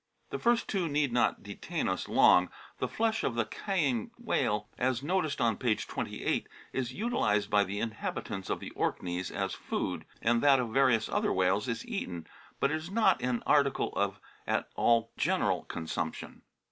The first two need not detain us long. The flesh of the Caaing whale, as noticed on page 28, is utilised by the inhabitants of the Orkneys as food, and that of various other whales is eaten, but it is not an article of at all general consumption.